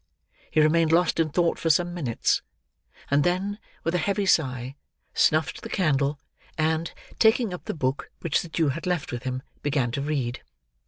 He remained lost in thought for some minutes; and then, with a heavy sigh, snuffed the candle, and, taking up the book which the Jew had left with him, began to read.